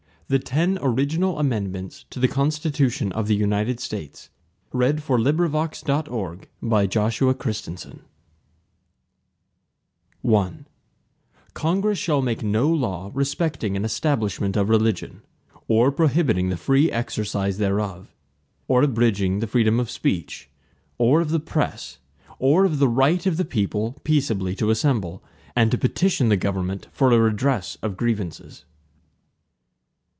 The Ten Original Amendments to the Constitution of the United States Passed by Congress September 25, 1789 Ratified December 15, 1791 I Congress shall make no law respecting an establishment of religion, or prohibiting the free exercise thereof; or abridging the freedom of speech, or of the press, or the right of the people peaceably to assemble, and to petition the Government for a redress of grievances.